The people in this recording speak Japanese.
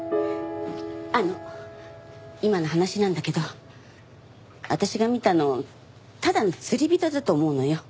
あの今の話なんだけど私が見たのただの釣り人だと思うのよ。